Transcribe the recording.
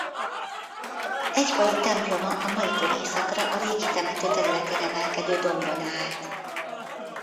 Egykori temploma a maitól északra a régi temető területén emelkedő dombon állt.